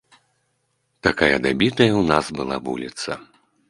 Такая дабітая ў нас была вуліца.